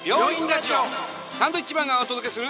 サンドウィッチマンがお届けする。